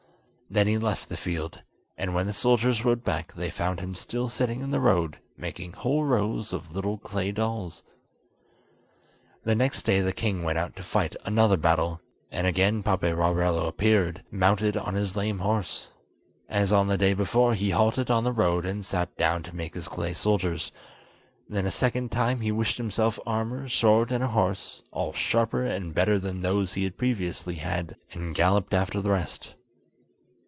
Then he left the field, and when the soldiers rode back they found him still sitting in the road making whole rows of little clay dolls. The next day the king went out to fight another battle, and again Paperarello appeared, mounted on his lame horse. As on the day before, he halted on the road, and sat down to make his clay soldiers; then a second time he wished himself armour, sword, and a horse, all sharper and better than those he had previously had, and galloped after the rest.